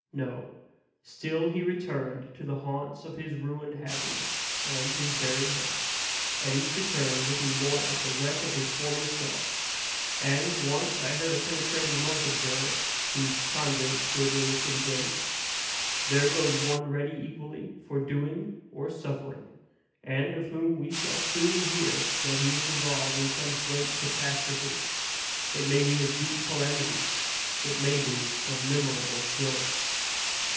no: still he returned to the haunts of his ruined happiness and his buried hopes, at each return looking more like the wreck of his former self; and once I heard a penetrating monk observe, whose convent stood near the city gates: "There goes one ready equally for doing or suffering, and of whom we shall soon hear that he is involved in some great catastrophe it may be of deep calamity it may be of memorable guilt."